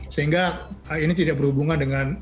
sehingga hal ini tidak berhubungan dengan